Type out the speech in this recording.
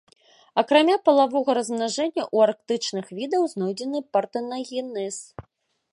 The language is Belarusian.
Акрамя палавога размнажэння ў арктычных відаў знойдзены партэнагенез.